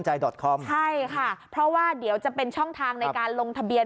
ดอดคอมใช่ค่ะเพราะว่าเดี๋ยวจะเป็นช่องทางในการลงทะเบียน